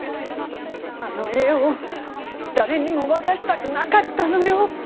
あの絵を誰にも渡したくなかったのよ。